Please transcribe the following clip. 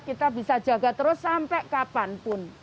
kita bisa jaga terus sampai kapanpun